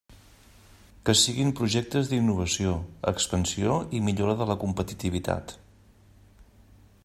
Que siguin projectes d'innovació, expansió i millora de la competitivitat.